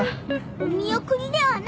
お見送りではない。